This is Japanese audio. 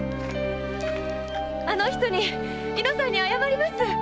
あの人に猪之さんに謝ります。